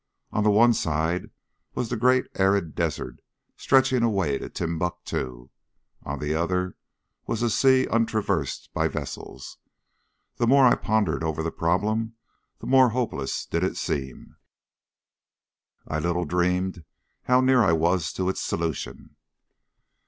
On the one side was the great arid desert stretching away to Timbuctoo, on the other was a sea untraversed by vessels. The more I pondered over the problem the more hopeless did it seem. I little dreamed how near I was to its solution.